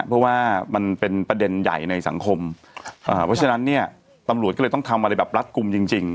เพราะว่ามันเป็นประเด็นใหญ่ในสังคมเพราะฉะนั้นเนี่ยตำรวจก็เลยต้องทำอะไรแบบรัดกลุ่มจริงจริง